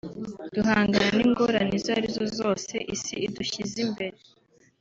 duhangana n’ingorane izo ari zo zose isi idushyize imbere